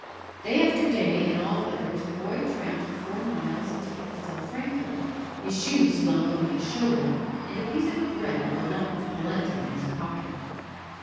Day after day, in all weathers, the boy tramped the four miles into Castelfranco, his shoes slung over his shoulder, and a piece of bread or a lump of polenta in his pocket.